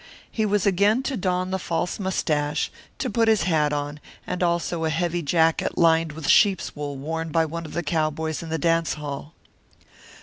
He was again to don the false mustache, to put his hat on, and also a heavy jacket lined with sheep's wool worn by one of the cowboys in the dance hall.